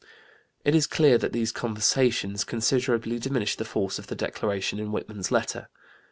'" It is clear that these conversations considerably diminish the force of the declaration in Whitman's letter.